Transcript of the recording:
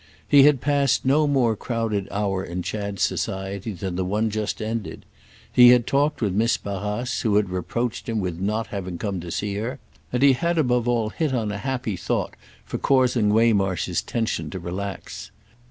He had passed no more crowded hour in Chad's society than the one just ended; he had talked with Miss Barrace, who had reproached him with not having come to see her, and he had above all hit on a happy thought for causing Waymarsh's tension to relax.